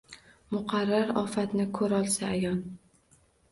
Muqarrar ofatni ko’rolsa ayon…”